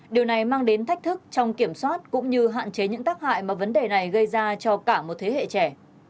điều này mang đến thách thức trong kiểm soát cũng như hạn chế những tác hại mà vấn đề này gây ra cho cả một thế hệ trẻ